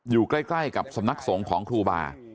อยู่ใกล้กับสำนักสงฆ์ของครูบา